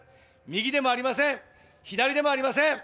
右でもありません、左でもありません。